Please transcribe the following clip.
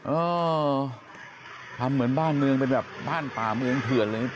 เออทำเหมือนบ้านเมืองเป็นแบบบ้านป่าเมืองเถื่อนเลย